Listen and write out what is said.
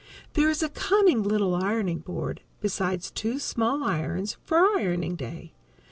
There is a cunning little ironing board, besides two small irons, for "Ironing Day."